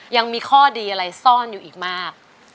ยังมีข้อดีอะไรซ่อนอยู่อีกมาก